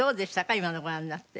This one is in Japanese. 今のご覧になって。